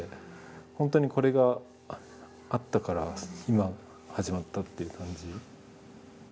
本当にこれがあったから今始まったっていう感じ。